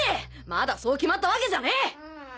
まだそう決まった訳じゃねえ！